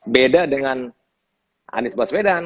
beda dengan anies baswedan